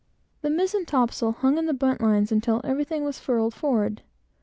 The mizen topsail hung in the bunt lines until everything was furled forward.